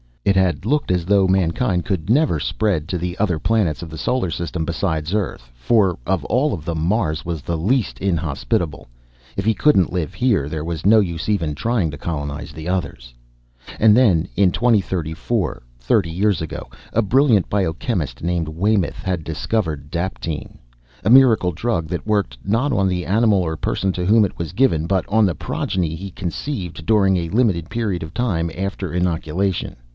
It had looked as though mankind could never spread to the other planets of the solar system besides Earth for of all of them Mars was the least inhospitable; if he couldn't live here there was no use even trying to colonize the others. And then, in 2034, thirty years ago, a brilliant biochemist named Waymoth had discovered daptine. A miracle drug that worked not on the animal or person to whom it was given, but on the progeny he conceived during a limited period of time after inoculation.